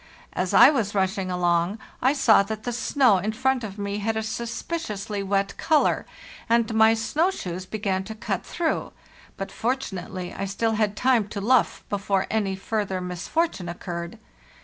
As I was rushing along, I saw that the snow in front of me had a suspiciously wet color, and my snow shoes began to cut through; but fortunately I still had time to luff before any further misfortune occurred.